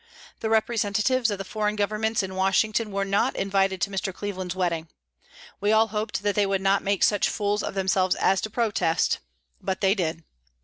The representatives of the foreign Governments in Washington were not invited to Mr. Cleveland's wedding. We all hoped that they would not make such fools of themselves as to protest but they did.